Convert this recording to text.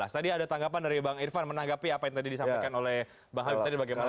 tadi ada tanggapan dari bang irfan menanggapi apa yang tadi disampaikan oleh bang habib tadi bagaimana